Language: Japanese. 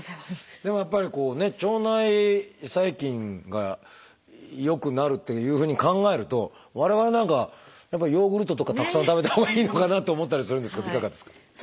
でもやっぱり腸内細菌が良くなるっていうふうに考えると我々なんかはやっぱりヨーグルトとかたくさん食べたほうがいいのかなと思ったりするんですけどいかがですか？